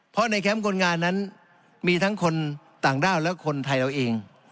เพราะในแคมป์คนงานนั้นมีทั้งคนต่างด้าวและคนไทยเราเอง